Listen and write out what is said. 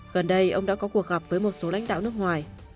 gần đây ông đã có cuộc gặp với một số lãnh đạo nước ngoài